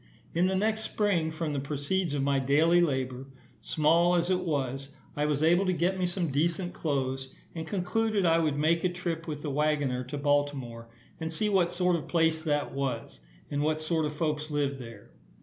In the next spring, from the proceeds of my daily labour, small as it was, I was able to get me some decent clothes, and concluded I would make a trip with the waggoner to Baltimore, and see what sort of a place that was, and what sort of folks lived there.